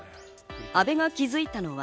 阿部が気づいたのは。